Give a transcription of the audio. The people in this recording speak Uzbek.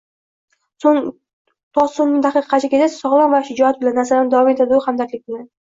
To soʻnggi daqiqagacha sogʻlom va shijoat bilan, nazarimda… – davom etdi u hamdardlik bilan.